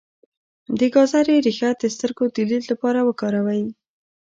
د ګازرې ریښه د سترګو د لید لپاره وکاروئ